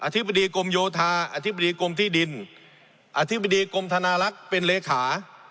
ธิบดีกรมโยธาอธิบดีกรมที่ดินอธิบดีกรมธนาลักษณ์เป็นเลขา